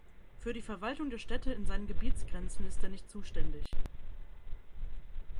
Für die Verwaltung der Städte in seinen Gebietsgrenzen ist er nicht zuständig.